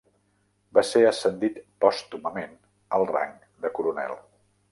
Va ser ascendit pòstumament al rang de coronel.